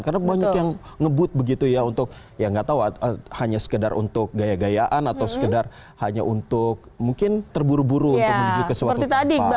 karena banyak yang ngebut begitu ya untuk ya nggak tahu hanya sekedar untuk gaya gayaan atau sekedar hanya untuk mungkin terburu buru untuk menuju ke suatu tempat